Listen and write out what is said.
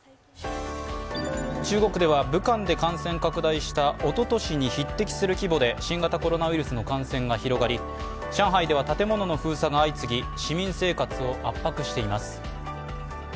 中国では武漢で感染拡大したおととしに匹敵する規模で新型コロナウイルスの感染が広がり、上海では建物の封鎖が相次ぎ市民生活を圧迫しています。